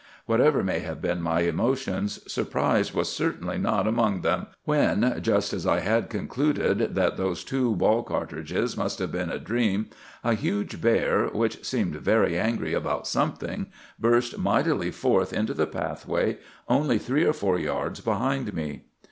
Whatever may have been my emotions, surprise was certainly not among them when, just as I had concluded that those two ball cartridges must have been a dream, a huge bear, which seemed very angry about something, burst mightily forth into the pathway only three or four yards behind me.